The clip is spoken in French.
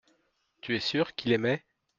Tu es sûr qu’il aimait.